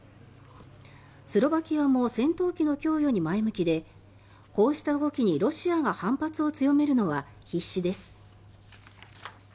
スロバキアも戦闘機の供与に前向きでこうした動きにロシアが反発を強めるのは必至です。